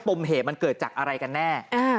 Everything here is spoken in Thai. มเหตุมันเกิดจากอะไรกันแน่